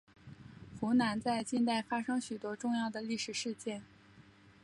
湖南在近代发生许多重要的历史事件。